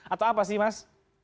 atau apa sih mas